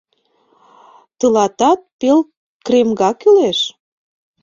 — Тылатат пел кремга кӱлеш?